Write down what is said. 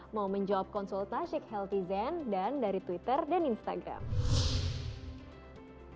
mau menjawab konsultasik healthyzen dan dari twitter dan instagram